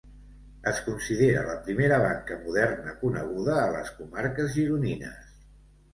Es considera la primera banca moderna coneguda a les comarques gironines.